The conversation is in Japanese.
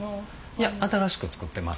いや新しく作ってます。